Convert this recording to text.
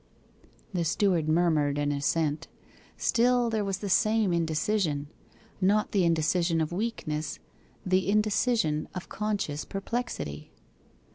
The steward murmured an assent. Still there was the same indecision! not the indecision of weakness the indecision of conscious perplexity.